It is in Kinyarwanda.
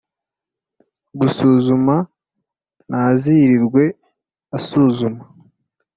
Gusuzuma ntazirirwe asuzuma